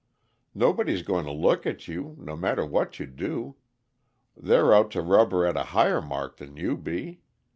Nobody's going to look at you, no matter what you do. They're out to rubber at a higher mark than you be.